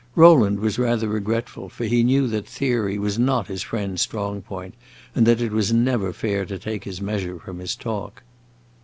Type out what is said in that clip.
Rowland was rather regretful, for he knew that theory was not his friend's strong point, and that it was never fair to take his measure from his talk.